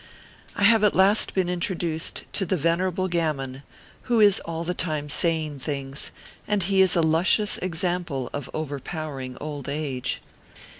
I have at last been introduced to the Venerable Gam mon, who is all the time saying things ; and he is a luscious example of overpowering Old Age.